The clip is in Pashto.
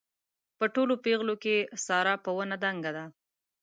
په ټولو پېغلو کې ساره په ونه دنګه ده.